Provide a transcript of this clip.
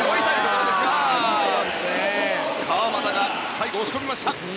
川真田が最後、押し込みました。